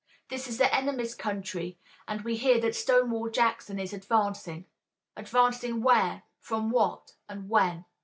This is the enemy's country, and we hear that Stonewall Jackson is advancing. Advancing where, from what and when?